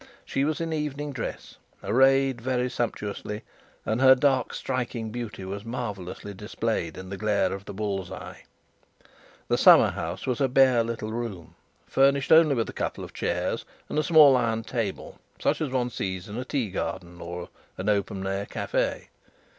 She was in evening dress, arrayed very sumptuously, and her dark striking beauty was marvellously displayed in the glare of the bull's eye. The summer house was a bare little room, furnished only with a couple of chairs and a small iron table, such as one sees in a tea garden or an open air cafe.